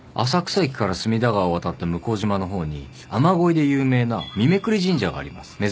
浅草駅から隅田川を渡った向島の方に雨乞いで有名な三囲神社があります。